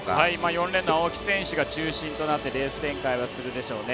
４レーンの青木選手が中心となってレース展開はするでしょうね。